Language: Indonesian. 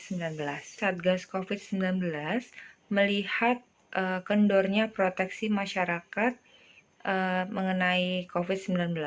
satgas covid sembilan belas melihat kendornya proteksi masyarakat mengenai covid sembilan belas